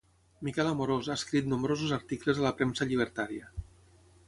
Miquel Amorós ha escrit nombrosos articles a la premsa llibertària.